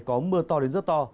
có mưa to đến rất to